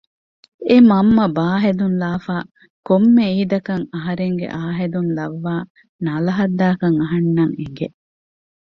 އެ މަންމަ ބާ ހެދުން ލާފައި ކޮންމެ އީދަކަށް އަހަރެންގެ އައު ހެދުން ލައްވާ ނަލަހައްދާކަން އަހަންނަށް އިނގެ